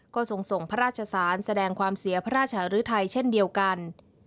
ก็ทรงส่งพระราชสารแสดงความเสียพระราชหรือไทยเช่นเดียวกัน